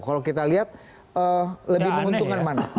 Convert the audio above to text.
kalau kita lihat lebih menguntungkan mana